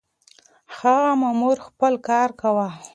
هغه مامور خپل کار کاوه.